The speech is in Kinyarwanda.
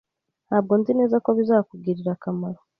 Ntabwo nzi neza ko bizakugirira akamaro.